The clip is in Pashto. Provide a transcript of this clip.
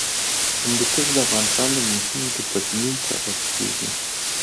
هندوکش د افغانستان د موسم د بدلون سبب کېږي.